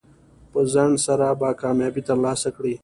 په ځنډ سره به کامیابي ترلاسه کړئ.